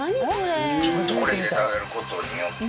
ちょっとこれ、入れてあげる事によって。